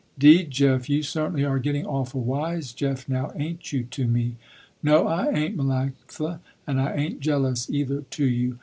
"Deed Jeff, you certainly are getting awful wise Jeff now, ain't you, to me." "No I ain't Melanctha, and I ain't jealous either to you.